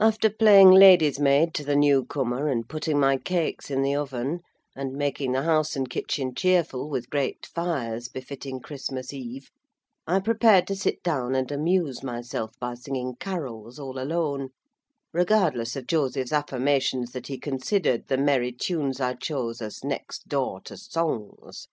After playing lady's maid to the new comer, and putting my cakes in the oven, and making the house and kitchen cheerful with great fires, befitting Christmas eve, I prepared to sit down and amuse myself by singing carols, all alone; regardless of Joseph's affirmations that he considered the merry tunes I chose as next door to songs.